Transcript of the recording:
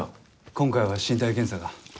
今回は身体検査が。